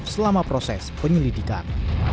selama proses penyelidikan